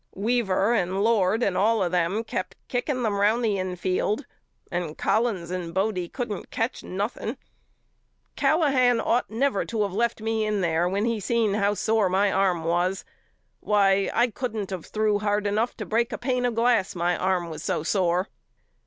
Weaver and Lord and all of them kept kicking them round the infield and Collins and Bodie couldn't catch nothing. Callahan ought never to of left me in there when he seen how sore my arm was. Why, I couldn't of threw hard enough to break a pain of glass my arm was so sore.